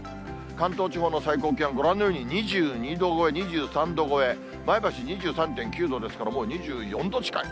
関東地方の最高気温、ご覧のように２２度超え、２３度超え、前橋２３．９度ですから、もう２４度近い。